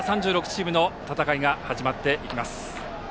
これから３６チームの戦いが始まっていきます。